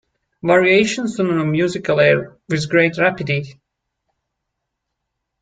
Variations on a musical air With great rapidity.